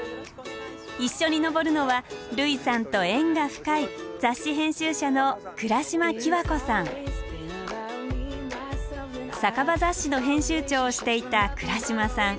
一緒に登るのは類さんと縁が深い酒場雑誌の編集長をしていた倉嶋さん。